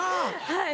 はい。